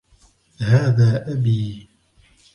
هذا أبي.